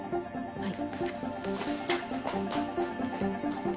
・はい。